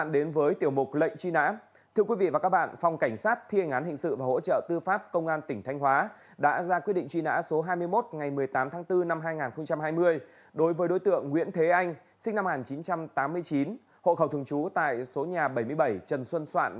đối với đối tượng nguyễn thế anh sinh năm một nghìn chín trăm tám mươi chín hộ khẩu thường trú tại số nhà bảy mươi bảy trần xuân soạn